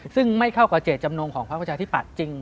ซึ่งไม่เข้ากับเจตจำนงของพระอาจารย์ที่ปัดจริง